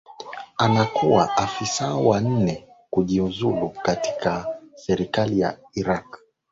anakuwa afisa wa nne kujiuzulu katika serikali ya iraq